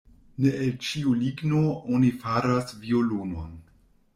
Ne el ĉiu ligno oni faras violonon.